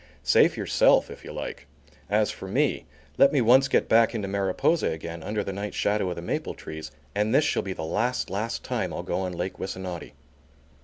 Safe yourself, if you like; as for me, let me once get back into Mariposa again, under the night shadow of the maple trees, and this shall be the last, last time I'll go on Lake Wissanotti.